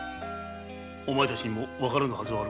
お前たちにも分からぬはずはあるまい。